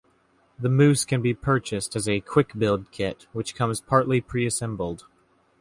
The Moose can be purchased as a "quick-build" kit which comes partly pre-assembled.